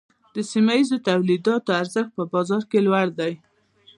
د سیمه ییزو تولیداتو ارزښت په بازار کې لوړ دی۔